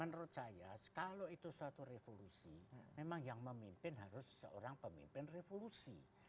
menurut saya kalau itu suatu revolusi memang yang memimpin harus seorang pemimpin revolusi